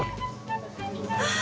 ああ！